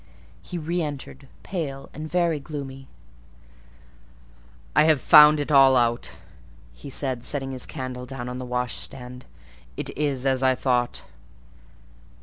He re entered, pale and very gloomy. "I have found it all out," said he, setting his candle down on the washstand; "it is as I thought."